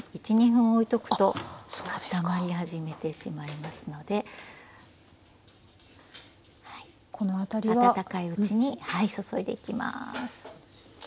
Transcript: １２分おいとくと固まり始めてしまいますので温かいうちに注いでいきます。